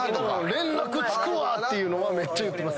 「連絡つくわ！」ってのはめっちゃ言ってます。